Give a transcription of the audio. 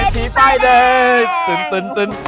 เส้นผีป้ายแดง